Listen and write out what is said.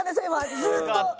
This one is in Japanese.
今ずっと。